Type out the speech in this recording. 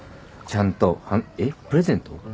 ちゃんとえっプレゼント！？